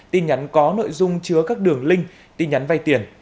tin nhắn có nội dung chứa các đường link tin nhắn vay tiền